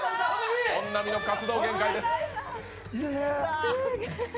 本並の活動限界です。